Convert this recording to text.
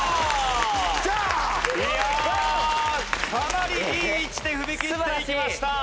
いやあかなりいい位置で踏み切っていきました！